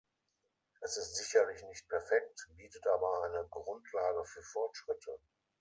Es ist sicherlich nicht perfekt, bietet aber eine Grundlage für Fortschritte.